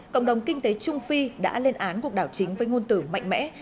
cộng đồng kinh tế trung phi đã lên án cuộc đảo chính với ngôn tử mạnh mẽ